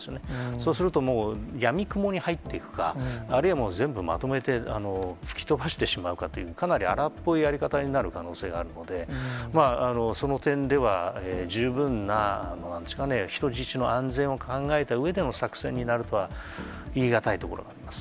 そうすると、もうやみくもに入っていくか、あるいはもう全部まとめて吹き飛ばしてしまうかという、かなり荒っぽいやり方になる可能性があるので、その点では、十分な人質の安全を考えたうえでの作戦になるとは言い難いところがあります。